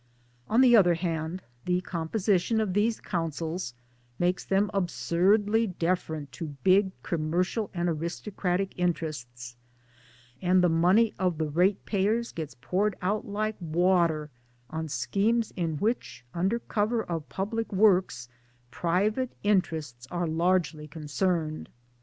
On the other hand the composition of these Councils makes them absurdly deferent to big com mercial and aristocratic interests, and the money of the ratepayers gets poured out like water on schemes hi which under cover of public works private interests are largely concerned.